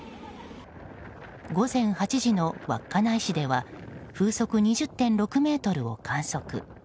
午前８時の稚内市では風速２０．６メートルを観測。